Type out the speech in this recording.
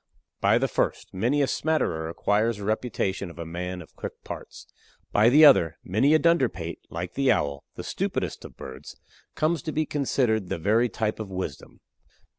By the first, many a smatterer acquires the reputation of a man of quick parts; by the other, many a dunderpate, like the owl, the stupidest of birds, comes to be considered the very type of wisdom.